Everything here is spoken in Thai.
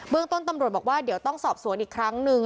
เรื่องต้นตำรวจบอกว่าเดี๋ยวต้องสอบสวนอีกครั้งหนึ่ง